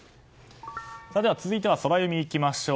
続いては、ソラよみいきましょう。